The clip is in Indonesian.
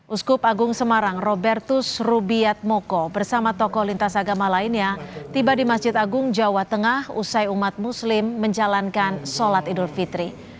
uskup agung semarang robertus rubiatmoko bersama tokoh lintas agama lainnya tiba di masjid agung jawa tengah usai umat muslim menjalankan sholat idul fitri